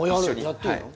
やっていいの？